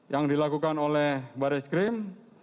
yang dilakukan oleh baris krim